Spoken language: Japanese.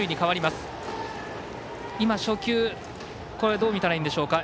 今、初球、どう見たらいいんでしょうか。